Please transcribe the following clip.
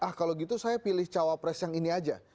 ah kalau gitu saya pilih cawapres yang ini aja